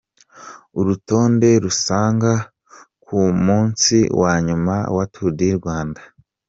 Urutonde rusange ku munsi wa nyuma wa Tour du Rwanda .